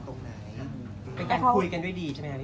แต่ตอนที่เพราะความวัล